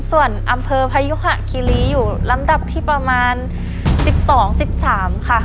ส่วนอำเภอพยุหะคิรีอยู่ลำดับที่ประมาณ๑๒๑๓ค่ะ